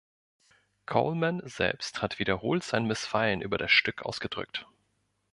Coleman selbst hat wiederholt sein Missfallen über das Stück ausgedrückt.